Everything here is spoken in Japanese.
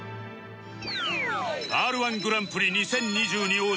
Ｒ−１ グランプリ２０２２王者